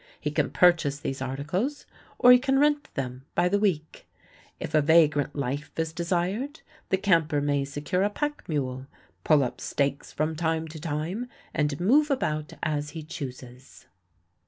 He can purchase these articles, or he can rent them by the week. If a vagrant life is desired, the camper may secure a pack mule, pull up stakes from time to time, and move about as he chooses.